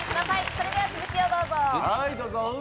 それでは続きをどうぞ。